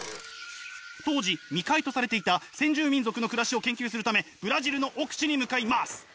当時未開とされていた先住民族の暮らしを研究するためブラジルの奥地に向かいます！